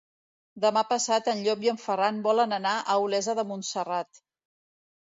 Demà passat en Llop i en Ferran volen anar a Olesa de Montserrat.